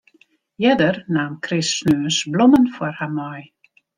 Earder naam Chris sneons blommen foar har mei.